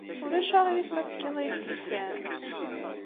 Ulac aɣilif ma tefkiḍ-iyi-d tisent?